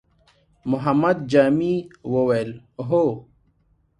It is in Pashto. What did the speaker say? محمد جامي وويل: هو!